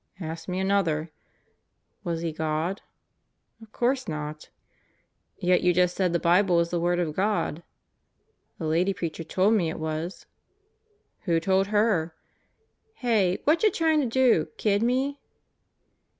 "Ask me another." "Was he God?" "Of course not." "Yet you just said the Bible is the word of God." "The lady preacher told me it was." "Who told her?" "Hey, whacha tryin' to do, kid me?"